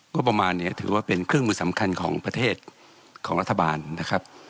ก็ประมาณนี้ถือว่าเป็นเครื่องมือสำคัญของประเทศของรัฐบาลนะครับ